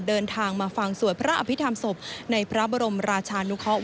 เดินทางมาฟังสวดพระอภิษฐรรมศพในพระบรมราชานุเคาะ